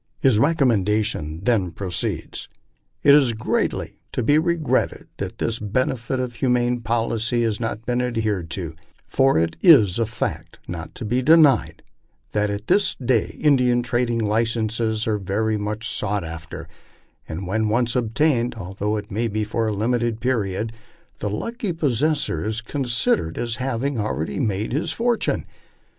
His recommendation then proceeds :'' It is greatly to be regretted that this bene ficent and humane policy had not been adhered to, for it is a fact not to be de nied, that at this day Indian trading licenses are very much sought after, and when once obtained, although it may be for a limited period, the lucky posses sor is considered as haying already made his fortune.